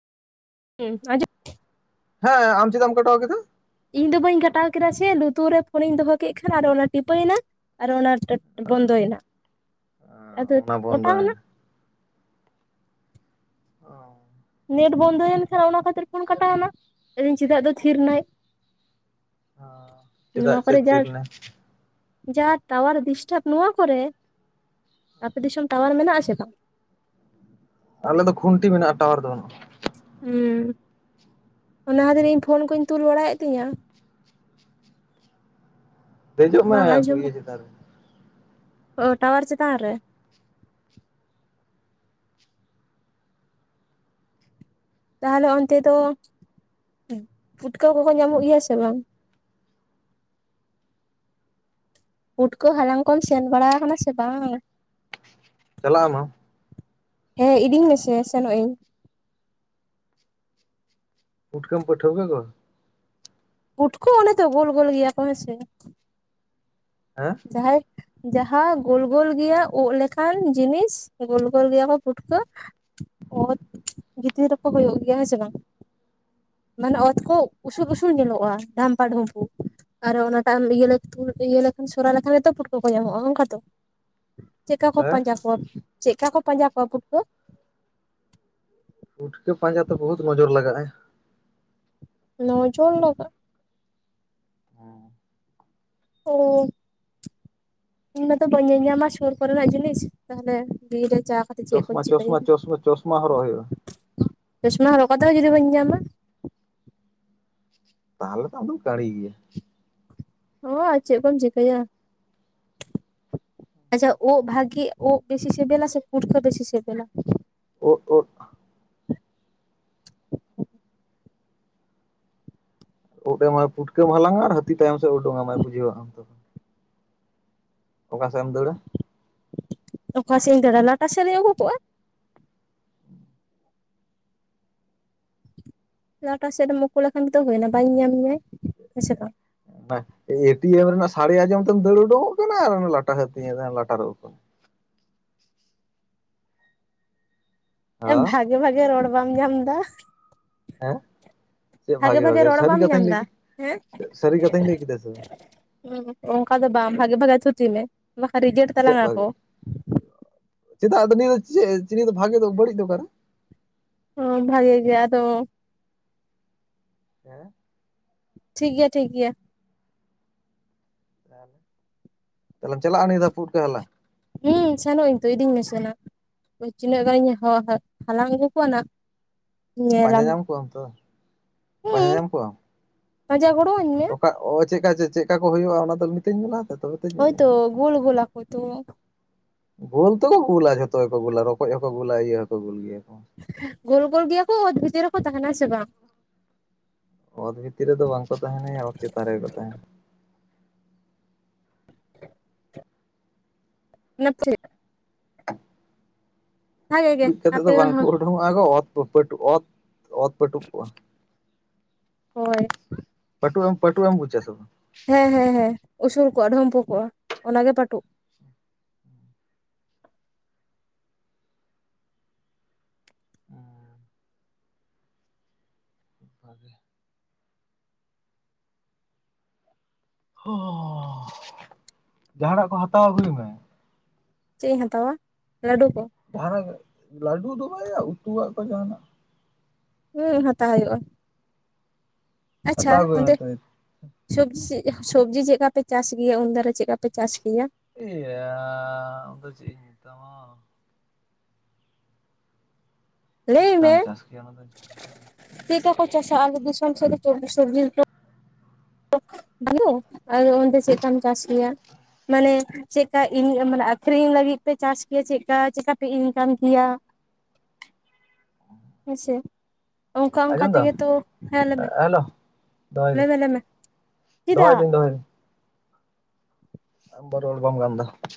ᱦᱮᱸ ᱟᱸᱡᱚ ᱦᱮᱸ ᱟᱢ ᱪᱮᱫᱟᱢ ᱠᱟᱴᱟᱣ ᱠᱮᱫᱟ? ᱤᱧ ᱫᱚ ᱵᱟᱹᱧ ᱠᱟᱴᱟᱣ ᱠᱮᱫᱟ ᱥᱮ, ᱞᱩᱛᱩᱨ ᱨᱮ ᱯᱷᱳᱱᱤᱧ ᱫᱚᱦᱚ ᱠᱮᱫ ᱠᱷᱟᱱ ᱟᱨ ᱚᱱᱟ ᱴᱤᱯᱟᱹᱣ ᱮᱱᱟ᱾ ᱟᱨᱚ ᱚᱱᱟ ᱴᱚᱴ [unintelligible] ᱵᱚᱱᱫᱚᱭᱮᱱᱟ ᱟᱫᱚ ᱚᱱᱟ ᱚᱴᱟᱝ ᱮᱱᱟ᱾ ᱵᱚᱱᱫᱚᱭᱮᱱᱟ᱾ ᱚ ᱱᱮᱴ ᱵᱚᱱᱫᱚᱭᱮᱱ ᱠᱷᱟᱱ ᱚᱱᱟ ᱠᱷᱟᱹᱛᱤᱨ ᱯᱷᱳᱱ ᱠᱟᱴᱟᱣ ᱮᱱᱟ ᱟᱫᱚᱧ ᱪᱮᱫᱟᱜ ᱫᱚ ᱛᱷᱤᱨ ᱮᱱᱟᱭ᱾ ᱱᱚᱣᱟ ᱪᱮᱫᱟᱜ ᱠᱚ ᱪᱚ ᱨᱮ ᱛᱷᱤᱨ ᱡᱟᱨ ᱮᱱᱟ ᱡᱟ ᱴᱟᱣᱟᱨ ᱰᱤᱥᱴᱟᱵ ᱱᱚᱣᱟ ᱠᱚᱨᱮ, ᱟᱯᱮ ᱫᱤᱥᱚᱢ ᱴᱟᱣᱟᱨ ᱢᱮᱱᱟᱜ ᱟᱥᱮ ᱵᱟᱝ? ᱟᱞᱮ ᱫᱚ ᱠᱷᱩᱱᱴᱤ ᱢᱮᱱᱟᱜᱼᱟ ᱴᱟᱣᱟᱨ ᱫᱚ ᱵᱟᱹᱱᱩᱜᱼᱟ᱾ ᱦᱩᱸ ᱚᱱᱟ ᱠᱷᱟᱹᱛᱤᱨ ᱤᱧ ᱯᱷᱳᱱ ᱠᱚᱧ ᱛᱩᱞ ᱵᱟᱲᱟᱭᱮᱫ ᱛᱤᱧᱟ᱾ ᱫᱮᱡᱚᱜ ᱢᱮ ᱵᱟᱝ ᱠᱩᱭᱟ. ᱪᱮᱛᱟᱱ ᱨᱮ ᱚ ᱴᱟᱣᱟᱨ ᱪᱮᱛᱟᱱ ᱨᱮ? ᱛᱟᱦᱚᱞᱮ ᱚᱱᱛᱮ ᱫᱚ ᱯᱩᱴᱠᱟᱹᱣ ᱠᱚᱠᱚ ᱧᱟᱢᱚᱜ ᱜᱮᱭᱟ ᱥᱮ ᱵᱟᱝ? ᱯᱩᱴᱠᱟᱹ ᱦᱟᱞᱟᱝ ᱠᱚᱢ ᱥᱮᱱ ᱵᱟᱲᱟ ᱟᱠᱟᱱᱢ ᱥᱮ ᱵᱟᱝ? ᱪᱟᱞᱟᱜ ᱟᱢ? ᱦᱮᱸ ᱤᱫᱤᱧ ᱢᱮᱥᱮ ᱥᱮᱱᱚᱜ ᱤᱧ᱾ ᱯᱩᱴᱠᱟ. ᱢ ᱯᱚᱹ ᱴᱷᱟ. ᱣᱠᱟ. ᱠᱚᱣᱟ? ᱯᱩᱴᱠᱟᱹ ᱚᱱᱮ ᱛᱚ ᱜᱳᱞ ᱜᱳᱞ ᱜᱮᱭᱟ ᱠᱚ ᱦᱮ ᱥᱮ? ᱦᱮᱸ ᱡᱟᱦᱟᱭᱠ ᱡᱟᱦᱟᱸ ᱜᱳᱞ ᱜᱳᱞ ᱜᱮᱭᱟ ᱩᱜ ᱞᱮᱠᱟᱱ ᱡᱤᱱᱤᱥ ᱜᱳᱞ ᱜᱳᱞ ᱜᱮᱭᱟ ᱠᱚ ᱯᱩᱴᱠᱟᱹ, ᱚᱫ ᱵᱷᱤᱤᱛᱤᱨ ᱨᱮᱠᱚ ᱦᱩᱭᱩᱜ ᱜᱮᱭᱟ ᱦᱮᱸ ᱥᱮ ᱵᱟᱝ? ᱢᱟᱱᱮ ᱚᱛ ᱠᱚ ᱩᱥᱩᱞ ᱩᱥᱩᱞ ᱧᱮᱞᱚᱜᱼᱟ ᱰᱷᱟᱢᱯᱟ ᱰᱷᱩᱢᱯᱳ᱾ ᱟᱨᱚ ᱚᱱᱟᱴᱟᱜ ᱟᱢ ᱤᱭᱟᱹ ᱞᱟᱹᱠ ᱛᱷᱩᱞ ᱤᱭᱟᱹ ᱞᱟᱹᱠ᱾ ᱥᱚᱨᱟ ᱞᱮᱠᱷᱟᱱ ᱜᱮᱛᱚ ᱯᱩᱴᱠᱟᱹ ᱠᱚ ᱧᱟᱢᱚᱜᱼᱟ ᱦᱝᱠᱟ ᱛᱚ, ᱪᱮᱫᱠᱟ ᱠᱚ ᱦᱮᱸ ᱯᱟᱸᱡᱟ ᱠᱚᱣᱟ? ᱪᱮᱫ ᱠᱟ ᱠᱚ ᱯᱟᱸᱡᱟ ᱠᱚᱣᱟ ᱯᱩᱴᱠᱟᱹ? ᱯᱩᱴᱠᱟᱹ ᱯᱟᱸᱡᱟ ᱛᱚ ᱵᱚᱦᱩᱛ ᱱᱚᱡᱚᱨ ᱞᱟᱜᱟᱜᱼᱟ᱾ ᱱᱚᱡᱚᱨ ᱞᱟᱜᱟᱜ ᱦᱮᱸ ᱚᱻ ᱤᱧ ᱢᱟᱛᱚ ᱵᱟᱹᱧ ᱧᱮ-ᱧᱟᱢᱟ ᱥᱩᱨ ᱠᱚᱨᱮᱱᱟᱜ ᱡᱤᱱᱤᱥ ᱛᱟᱦᱚᱞᱮ ᱵᱤᱨ ᱨᱮ ᱪᱟ ᱠᱟᱛᱮ ᱪᱮᱫ ᱠᱚᱧ ᱪᱚᱥᱢᱟ ᱪᱤᱠᱟᱹᱭᱟ ᱪᱚᱥᱢᱟ ᱪᱚᱥᱢᱟ ᱪᱚᱥᱢᱟ ᱦᱚᱨᱚᱜ ᱦᱚᱭᱚᱜ-ᱟ᱾ ᱪᱚᱥᱢᱟ ᱦᱚᱨᱚᱜ ᱠᱟᱛᱮ ᱦᱚᱸ ᱡᱩᱫᱤ ᱵᱟᱹᱧ ᱧᱟᱢᱟ? ᱛᱟᱦᱚᱞᱮ ᱛᱚ ᱟᱫᱚᱢ ᱠᱟᱲᱤ ᱜᱤᱭᱟ᱾ ᱚ ᱟᱨ ᱪᱮ ᱠᱚᱢ ᱪᱤᱠᱟᱹᱭᱟ? ᱟᱪᱪᱷᱟ ᱳᱜ ᱵᱷᱟᱜᱤ ᱳᱜ ᱵᱮᱥᱤ ᱥᱮᱵᱮᱞᱟ ᱥᱮ ᱯᱩᱴᱠᱟᱹ ᱵᱮᱥᱤ ᱥᱮᱵᱮᱞᱟ? ᱳᱫ ᱳᱫ ᱳᱫ ᱮᱢ ᱯᱩᱴᱠᱟᱹᱢ ᱦᱟᱞᱟᱝ-ᱟ ᱟᱨ ᱦᱟᱹᱛᱤ ᱛᱟᱭᱚᱢ ᱥᱮᱫ ᱳᱰᱳᱝ ᱟᱢᱟᱭ ᱵᱩᱡᱷᱟᱹᱣ ᱦᱟᱸᱜ ᱟᱢ ᱛᱚ᱾ ᱚᱠᱟ ᱥᱮᱫ ᱮᱢ ᱫᱟᱹᱲᱟ? ᱚᱠᱟ ᱥᱮᱫ ᱤᱧ ᱫᱟᱹᱲᱟ ᱞᱟᱴᱟ ᱥᱮᱫ ᱨᱤᱧ ᱳᱠᱳ ᱠᱚᱜᱼᱟ᱾ ᱞᱟᱴᱟ ᱥᱮᱫ ᱨᱮᱢ ᱩᱠᱩ ᱞᱮᱠᱷᱟᱱ ᱜᱮᱛᱚ ᱦᱩᱭᱱᱟ, ᱵᱟᱭ ᱧᱮ-ᱧᱟᱢ ᱢᱮᱭᱟᱭ, ᱦᱮᱸᱥᱮ ᱵᱟᱝ? ᱵᱟᱦ ᱮᱴᱤᱭᱮᱢ ᱨᱮᱱᱟᱜ ᱥᱟᱹᱲᱤ ᱟᱸᱡᱚᱢ ᱛᱮᱢ ᱫᱟᱹᱲ ᱩᱰᱩᱠᱚᱜ ᱠᱟᱱᱟ ᱟᱨ ᱩᱱᱤ ᱞᱟᱴᱟ ᱦᱟᱹᱛᱤ ᱧᱮᱞᱛᱮ ᱞᱟᱴᱟ ᱨᱮᱢ ᱳᱠᱳᱱ᱾ ᱮ ᱦᱮᱸ ᱵᱷᱟᱜᱮ ᱵᱷᱟᱜᱮ ᱨᱚᱲ ᱵᱟᱢ ᱧᱟᱢ ᱫᱟ? ᱦᱮᱸ ᱪᱮᱫ ᱵᱷᱟᱜᱮ ᱵᱷᱟᱜᱮ ᱨᱚᱲ ᱥᱟᱹᱨᱤ ᱵᱟᱢ ᱧᱟᱢ ᱠᱟᱛᱷᱟᱧ ᱞᱟᱹᱭ ᱮᱫᱟ ᱠᱮᱫᱟ, ᱦᱮᱸ ᱥᱟᱹᱨᱤ ᱠᱟᱛᱷᱟᱧ ᱞᱟᱹᱭ ᱠᱮᱫᱟ ᱥᱮ᱾ ᱚᱱᱠᱟ ᱫᱚ ᱵᱟᱝ ᱵᱷᱟᱜᱮ ᱵᱷᱟᱜᱮ ᱛᱷᱩᱛᱤ ᱢᱮ ᱵᱟᱠᱷᱟᱱ ᱨᱤᱡᱮᱴ ᱪᱮᱫ ᱛᱟᱞᱟᱝ ᱵᱷᱟᱜᱮ ᱟᱠᱚ᱾ ᱪᱮᱫᱟᱜ ᱟᱫᱚ ᱱᱤᱭᱟᱹ ᱫᱚ ᱪᱮᱫ ᱱᱤᱭᱟᱹ ᱫᱚ ᱵᱷᱟᱜᱮ ᱫᱚ ᱵᱟᱹᱲᱤᱡ ᱫᱚ ᱚᱠᱟᱨᱮ? ᱚᱸ ᱵᱷᱟᱜᱮ ᱜᱮ ᱟᱫᱚ᱾ ᱦᱮᱸ ᱴᱷᱤᱠ ᱜᱤᱭᱟ ᱴᱷᱤᱠ ᱜᱤᱭᱟ᱾ ᱛᱟᱦᱚᱞᱮ ᱛᱟᱦᱚᱞᱮᱢ ᱪᱟᱞᱟᱜᱼᱟ ᱱᱤᱭᱟᱹ ᱫᱷᱟᱣ ᱯᱩᱴᱠᱟᱹ ᱦᱟᱞᱟᱝ? ᱦᱩᱸ ᱥᱮᱱᱚᱜ ᱤᱧ ᱛᱚ ᱤᱫᱤᱧ ᱢᱮᱥᱮᱱᱟ᱾ ᱛᱤᱱᱟᱹᱜ ᱜᱟᱱᱤᱧ ᱦᱚ ᱦᱟ ᱦᱟᱞᱟᱝ ᱟᱹᱜᱩ ᱠᱚᱣᱟ ᱱᱟᱜ᱾ ᱯᱟᱸᱡᱟ ᱧᱮᱞᱟᱢ, ᱧᱟᱢ ᱠᱚᱣᱟᱢ ᱛᱚ ᱯᱟᱸᱡᱟ ᱦᱩᱸ ᱧᱟᱢ ᱠᱚᱣᱟᱢ ᱯᱟᱸᱡᱟ ᱜᱚᱲᱚ ᱟᱹᱧ ᱢᱮ᱾ ᱚᱠᱟ ᱚ ᱪᱮᱫᱠᱟ ᱪᱮᱫ ᱪᱮᱫᱠᱟ ᱠᱚ ᱦᱩᱭᱩᱜᱼᱟ ᱚᱱᱟ ᱫᱚ ᱢᱤᱛᱟᱹᱧ ᱞᱟᱦᱟᱛᱮ᱾ ᱛᱚᱵᱮ ᱛᱚᱧ ᱦᱳᱭ ᱛᱚ ᱜᱩᱞ ᱜᱩᱞ ᱟᱠᱩ ᱛᱚ᱾ ᱜᱳᱞ ᱛᱚ ᱜᱩᱞᱟ ᱡᱷᱚᱛᱚ ᱜᱮᱠᱚ ᱜᱩᱞᱟ ᱨᱚᱠᱚᱡ ᱦᱚᱸᱠᱚ ᱜᱩᱞᱟ ᱤᱭᱟᱹ ᱦᱚᱸᱠᱚ ᱜᱩᱞ ᱜᱮᱭᱟ ᱠᱚ᱾ ᱜᱳᱞ ᱜᱳᱞ ᱜᱮᱭᱟ ᱠᱚ ᱚᱛ ᱵᱷᱤᱛᱤᱨ ᱨᱮᱠᱚ ᱛᱟᱸᱦᱮᱱᱟ ᱥᱮ ᱵᱟᱝ? ᱚᱛ ᱵᱷᱤᱛᱤᱨ ᱨᱮᱫᱚ ᱵᱟᱝᱠᱚ ᱛᱟᱸᱦᱮᱱᱟᱭᱟ ᱚᱛ ᱪᱮᱛᱟᱱ ᱨᱮᱜᱮ ᱠᱚ ᱛᱟᱸᱦᱮᱱᱟ᱾ ᱱᱟᱹᱯ ᱪᱷᱮᱫᱟ [inaudible] ᱵᱷᱟᱜᱮ ᱜᱮ ᱴᱩᱡ ᱠᱟᱛᱮ ᱟᱯᱮ ᱫᱚ ᱵᱟᱝᱠᱚ ᱦᱚᱸ ᱩᱰᱩᱝᱚᱜᱼᱟ ᱜᱚ ᱚᱛ ᱯᱟᱹᱯᱟᱹᱴ ᱚᱛ ᱚᱛ ᱯᱟᱹᱴᱩᱵ ᱠᱚᱜᱼᱟ᱾ ᱦᱳᱭ ᱯᱟᱹᱴᱩ ᱮᱢ ᱯᱟᱹᱴᱩ ᱮᱢ ᱵᱩᱪᱷᱟ ᱥᱮ ᱵᱟᱝ? ᱦᱮᱸ ᱦᱮᱸ ᱦᱮᱸ ᱩᱥᱩᱞ ᱠᱚᱜᱼᱟ ᱰᱷᱳᱢᱯᱳ ᱠᱚᱜᱼᱟ ᱚᱱᱟᱜᱮ ᱯᱟᱹᱴᱩᱜ᱾ ᱟᱜᱮ ᱦᱚ ᱡᱟᱦᱟᱱᱟᱜ ᱠᱚ ᱦᱟᱛᱟᱣ ᱟᱹᱜᱩᱭ ᱢᱮ᱾ ᱪᱮᱜ ᱤᱧ ᱦᱟᱛᱟᱣᱟ ᱞᱟᱹᱰᱩ ᱠᱚ [inaudible] ᱞᱟᱹᱰᱩ ᱫᱚ ᱵᱟᱭᱭᱟ ᱩᱛᱩᱣᱟᱜ ᱠᱚ ᱡᱟᱦᱟᱸᱱᱟᱜ᱾ ᱩᱸᱜ ᱦᱟᱛᱟᱣ ᱦᱩᱭᱩᱜᱼᱟ᱾ ᱟᱪᱪᱷᱟ ᱦᱟᱛᱟᱣ ᱟᱹᱜᱩᱭ ᱢᱮ ᱚᱱᱛᱮ ᱛᱚᱵᱮ ᱥᱚᱵᱡᱤ ᱥᱚᱵᱡᱤ ᱪᱮᱜ ᱠᱟᱯᱮ ᱪᱟᱥ ᱜᱮᱭᱟ, ᱩᱱ ᱫᱟᱨᱟ ᱪᱮᱜ ᱠᱟᱯᱮ ᱪᱟᱥ ᱠᱮᱭᱟ? ᱮᱭᱟᱻ ᱟᱫᱚ ᱪᱮᱫ ᱤᱧ ᱢᱮᱛᱟᱢᱟ, ᱪᱮᱜ ᱞᱟᱹᱭ ᱢᱮ ᱠᱟᱢ ᱪᱟᱥ ᱠᱮᱭᱟ ᱚᱱᱟ ᱫᱚ, ᱪᱮᱜ ᱠᱟᱢ? ᱥᱟᱠ ᱫᱤᱥᱚᱢ ᱥᱮᱫ [inaudible] [inaudible] ᱚᱰᱮ ᱪᱮᱜ ᱠᱟᱢ ᱪᱟᱥ ᱠᱮᱭᱟ? ᱢᱟᱱᱮ ᱪᱮᱜᱠᱟ ᱤᱱ ᱢᱟᱱᱮ ᱟᱠᱷᱨᱤᱧ ᱞᱟᱹᱜᱤᱫ ᱯᱮ ᱪᱟᱥ ᱠᱮᱭᱟ, ᱪᱮᱜᱠᱟ ᱪᱮᱜᱠᱟ ᱯᱮ ᱤᱱᱠᱟᱢ ᱠᱮᱭᱟ? [unintelligible] ᱦᱮᱥᱮ ᱚᱱᱠᱟ ᱚᱱᱠᱟ ᱟᱸᱡᱚᱢ ᱫᱟᱢ ᱛᱮᱜᱮ ᱛᱚ ᱦᱮᱸ ᱞᱟᱹᱭ ᱢᱮ ᱦᱮᱞᱳ ᱫᱚᱦᱚᱭ ᱫᱟᱹᱧ ᱞᱟᱹᱭ ᱢᱮ ᱞᱟᱹᱭ ᱢᱮ᱾ ᱫᱚᱦᱚᱭ ᱪᱮᱫᱟᱜ ᱫᱤᱹᱧ ᱫᱚᱦᱚᱭ ᱫᱤᱹᱧ ᱟᱢ ᱨᱚᱲ ᱵᱟᱢ ᱜᱟᱱ ᱫᱟ᱾